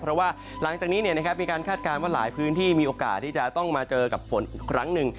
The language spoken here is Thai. เพราะว่าหลังจากนี้มีการคาดการณ์ว่าหลายพื้นที่มีโอกาสที่จะต้องมาเจอกับฝนอีกครั้งหนึ่ง